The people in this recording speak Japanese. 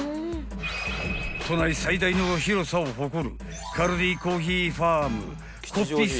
［都内最大の広さを誇る］